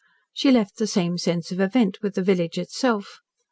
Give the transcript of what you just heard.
She left the same sense of event with the village itself.